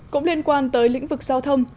cũng liên quan tới lĩnh vực giao thông